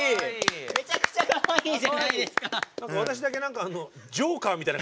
めちゃくちゃかわいいじゃないですか。